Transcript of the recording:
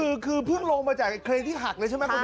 คือคือเพิ่งลงมาจากเครนที่หักเลยใช่ไหมคุณผู้ชม